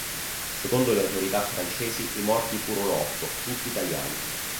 Secondo le autorità francesi, i morti furono otto, tutti italiani.